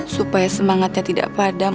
supaya semangatnya tidak padam